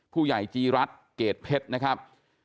ผู้ใหญ่จีรัฐเกรดเพชรนะครับ